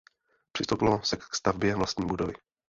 Přistoupilo se k stavbě vlastní budovy.